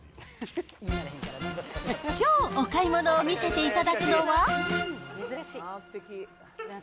きょうお買い物を見せていただくのは。